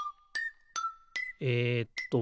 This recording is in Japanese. えっと